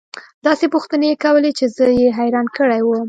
داسې پوښتنې يې كولې چې زه يې حيران كړى وم.